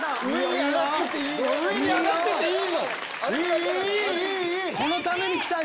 いい！